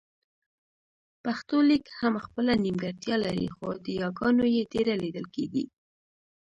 پښتو لیک هم خپله نيمګړتیا لري خو د یاګانو يې ډېره لیدل کېږي